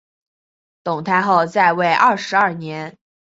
董太后在位二十二年。